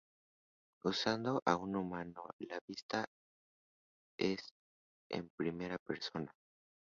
Usando a un humano, la vista es en primera persona.